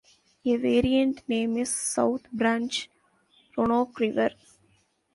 A variant name is "South Branch Roanoke River".